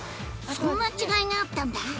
そんな違いがあったんだ！